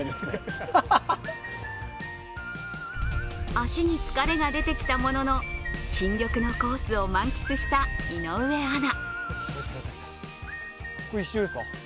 足に疲れが出てきたものの新緑のコースを満喫した井上アナ。